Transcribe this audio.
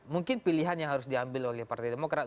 mungkin pilihan yang harus diambil oleh partai demokrat